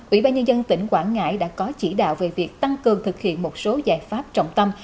ủy ban nhân dân tỉnh quảng ngãi đã có chỉ đạo về việc tăng cường thực hiện một số giải pháp trọng tâm